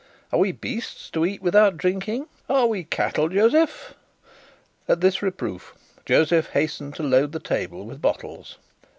Are we beasts, to eat without drinking? Are we cattle, Josef?" At this reproof Josef hastened to load the table with bottles.